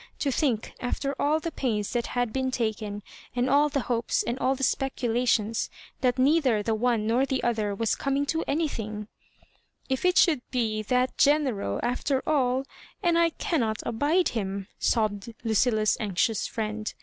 To think, after all the pains that had been taken, and all the hopes and all the speculations, that neither the one nor the other was coming to anything I " If it should be that General, after all— and I cannot abide him," sobbed Lucilla's anxious friend.